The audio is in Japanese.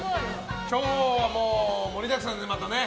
今日も盛りだくさんで、またね。